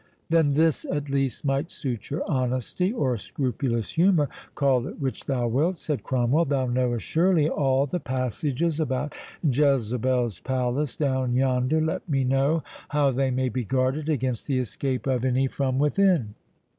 "Then this at least might suit your honesty, or scrupulous humour, call it which thou wilt," said Cromwell. "Thou knowest, surely, all the passages about Jezebel's palace down yonder?—Let me know how they may be guarded against the escape of any from within."